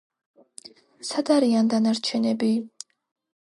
სადარიან დანარჩენები?